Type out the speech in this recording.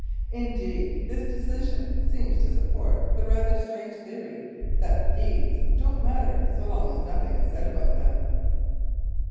Indeed this decision seems to support the rather strange theory that deeds don't matter so long as nothing is said about them.